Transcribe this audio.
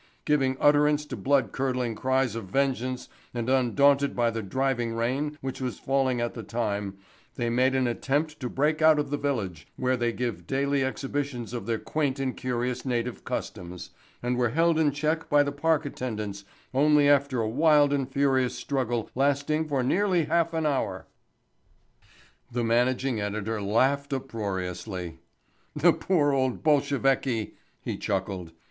Giving utterance to blood curdling cries of vengeance and undaunted by the driving rain which was falling at the time they made an attempt to break out of the village, where they give daily exhibitions of their quaint and curious native customs, and were held in check by the park attendants only after a wild and furious struggle lasting for nearly half an hour!...'" The managing editor laughed uproariously. "The poor old Bolsheviki," he chuckled.